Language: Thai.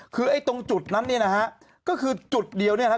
คือไอ้ตรงจุดนั้นเนี่ยนะฮะก็คือจุดเดียวเนี่ยนะครับ